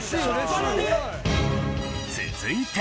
続いて。